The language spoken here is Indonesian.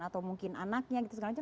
atau mungkin anaknya gitu segala macam